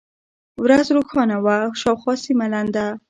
ورځ روښانه وه، شاوخوا سیمه لنده.